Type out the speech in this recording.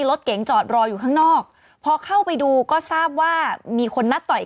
รอมืงพยานก็เสีย